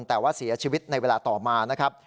แต่ว่าเสียชีวิตในเวลาต่อมานะครับ